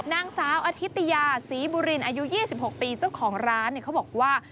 นางสาวอธิตยาศรีบุรินอายุ๒๖ปีเจ้าของร้านเขาบอกว่า